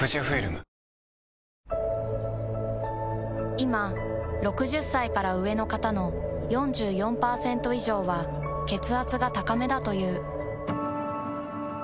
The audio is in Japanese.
いま６０歳から上の方の４４％以上は血圧が高めだという。